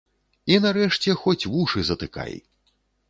І нарэшце хоць вушы затыкай.